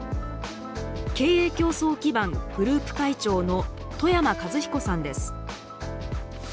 経営共創基盤、グループ会長の冨山和彦さんです。